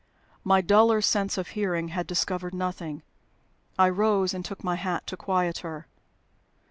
My duller sense of hearing had discovered nothing. I rose and took my hat to quiet her.